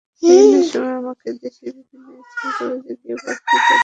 বিভিন্ন সময় আমাকে দেশের বিভিন্ন স্কুল-কলেজে গিয়ে বক্তৃতা দিতে বলা হয়।